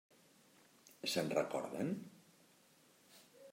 Se'n recorden?